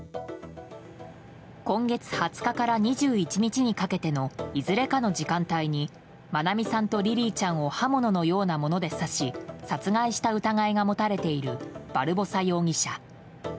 今月２０日から２１日にかけてのいずれかの時間帯に愛美さんとリリィちゃんを刃物のようなもので刺し殺害した疑いが持たれているバルボサ容疑者。